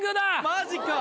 マジか！